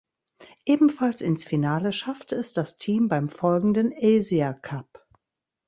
Ebenfalls ins Finale schaffte es das Team beim folgenden Asia Cup.